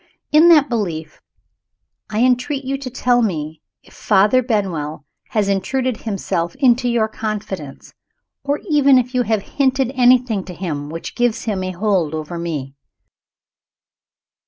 In that belief, I entreat you to tell me if Father Benwell has intruded himself into your confidence or even if you have hinted anything to him which gives him a hold over me.